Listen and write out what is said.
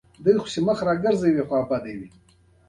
د تیوسینټ وږی ډېر لنډ و